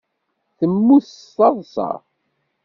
Temmut s taḍsa.